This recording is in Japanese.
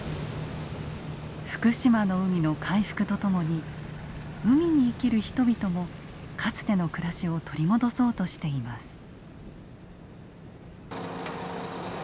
福島の海の回復とともに海に生きる人々もかつての暮らしを取り戻そうとしています。